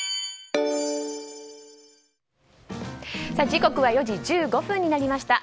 時刻は４時１５分になりました。